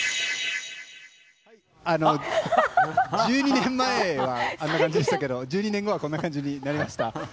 あの１２年前はあんな感じでしたけど１２年後はこんな感じになりました。